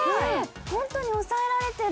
本当に押さえられてる。